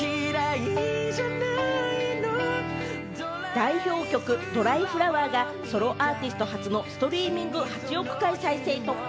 代表曲『ドライフラワー』がソロアーティスト初のストリーミング８億回再生突破。